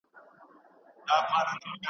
ايا سلطنت دوام کولی شو؟